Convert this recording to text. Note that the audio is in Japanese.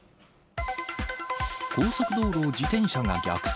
高速道路を自転車が逆走？